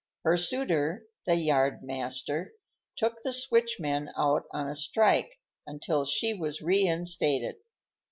Her suitor, the yardmaster, took the switchmen out on a strike until she was reinstated.